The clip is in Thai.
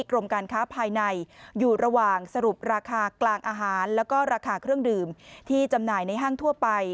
กรมการค้าภายในอยู่ระหว่างสรุปราคากลางอาหารแล้วก็ราคาเครื่องดื่มที่จำหน่ายในห้างทั่วไป